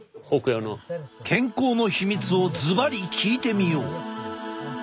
健康の秘密をずばり聞いてみよう。